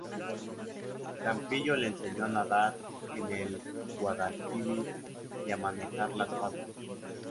Campillo le enseñó a nadar en el Guadalquivir y a manejar la espada.